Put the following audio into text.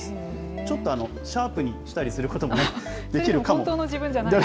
ちょっとシャープにしたりすることもできるかも。